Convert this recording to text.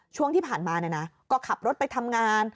ช่วงที่ผ่านมาก็ขับรถไปทำงาน